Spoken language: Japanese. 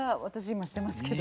今してますけど。